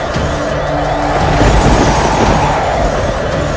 kau pikir aku tak